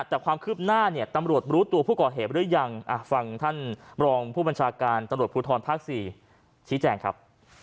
แต่ความคืบหน้าเนี่ยตำรวจรู้ตัวผู้ก่อเหตุหรือยังฟังท่านรองผู้บัญชาการตำรวจภูทรภาค๔ชี้แจงครับ